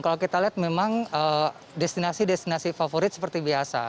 kalau kita lihat memang destinasi destinasi favorit seperti biasa